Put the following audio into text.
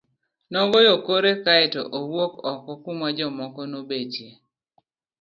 Nogoyo kore kae to owuok oko kuma jomoko nobetie.